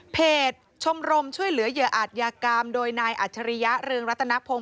ชมรมช่วยเหลือเหยื่ออาจยากรรมโดยนายอัจฉริยะเรืองรัตนพงศ